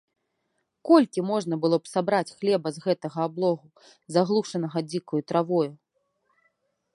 Колькі можна было б сабраць хлеба з гэтага аблогу, заглушанага дзікаю травою?